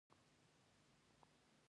وادي د افغانستان طبعي ثروت دی.